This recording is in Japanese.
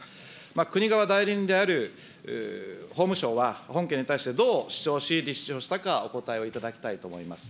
国側代理人である法務省は、本件に対してどう主張し、立証したか、お答えをいただきたいと思います。